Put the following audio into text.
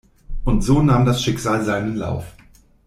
Und so nahm das Schicksal seinen Lauf.